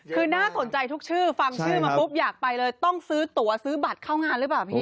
คือน่าสนใจทุกชื่อฟังชื่อมาปุ๊บอยากไปเลยต้องซื้อตัวซื้อบัตรเข้างานหรือเปล่าพี่